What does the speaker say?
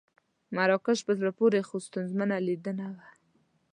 مراکش په زړه پورې خو ستونزمنه لیدنه وه.